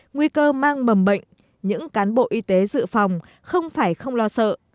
nguy cơ mang mầm bệnh những cán bộ y tế dự phòng không phải không lo sợ